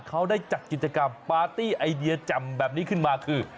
เขาได้จัดกิจกรรมปาร์ตี้ไอเดียแจ่มแบบนี้ขึ้นมาคือ